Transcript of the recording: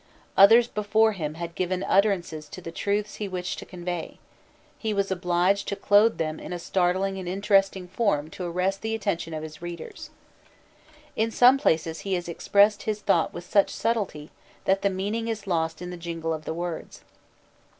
Others before him had given utterance to the truths he wished to convey: he was obliged to clothe them in a startling and interesting form to arrest the attention of his readers. In some places he has expressed his thought with such subtlety, that the meaning is lost in the jingle of the words.